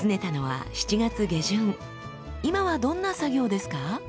今はどんな作業ですか？